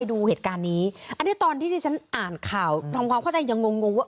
ดูเหตุการณ์นี้อันนี้ตอนที่ที่ฉันอ่านข่าวทำความเข้าใจยังงงงว่า